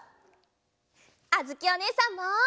あづきおねえさんも！